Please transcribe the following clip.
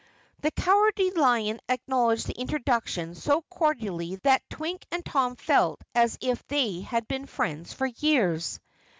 The Cowardly Lion acknowledged the introduction so cordially that Twink and Tom felt as if they had been friends for years.